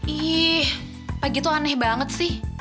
ih pagi itu aneh banget sih